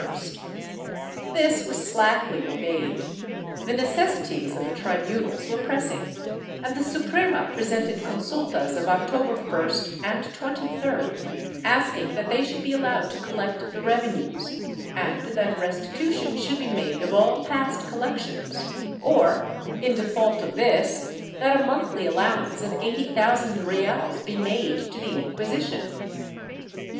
I] FINANCIAL TROUBLES 427 July 21st/ This was slackly obeyed; the necessities of the tribu nals were pressing, and the Suprema presented eonsultas of October 1st and 23d asking that they should be allowed to collect the revenues, and that restitution should be made of all past col lections or, in default of this, that a monthly allowance of eighty thousand reales be made to the Inquisition.